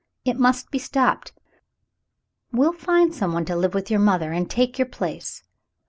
It must be stopped. We'll find some one to live with your mother and take your place."